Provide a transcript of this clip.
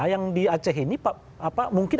yang di aceh ini mungkin